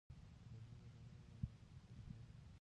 غزني د افغانانو د معیشت سرچینه ده.